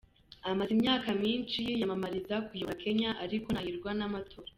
Amaze imyaka myinshi yiyamamariza kuyobora Kenya ariko ntahirwa n’amatora.